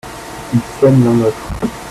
Ils s'aiment l'un l'autre.